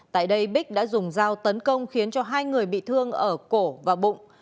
tại đây bích đã dùng dao tấn công khiến cho hai người bị thương ở cổ và bụng